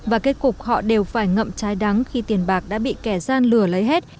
và kết cục họ đều phải ngậm trái đắng khi tiền bạc đã bị kẻ gian lừa lấy hết